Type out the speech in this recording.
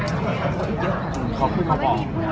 อีกเยอะขอบคุณมาก